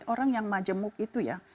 orang yang majemuk itu ya